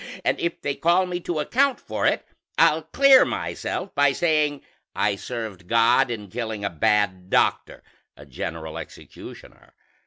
And if they call me to account for it, I'll clear myself by saying I served God in killing a bad doctor a general executioner.